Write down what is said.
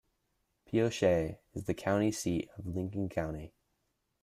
Pioche is the county seat of Lincoln County.